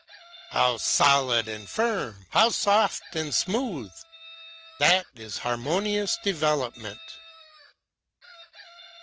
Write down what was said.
"How solid and firm, how soft and smooth! That is harmonious development."